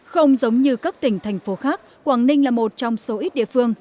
không giống như các tỉnh thành phố khác quảng ninh là một trong số ít địa phương